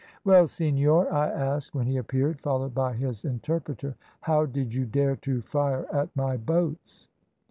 "`Well, senor,' I asked when he appeared, followed by his interpreter, `how did you dare to fire at my boats?'